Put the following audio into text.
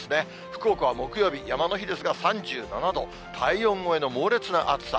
福岡は木曜日山の日ですが、３７度、体温超えの猛烈な暑さ。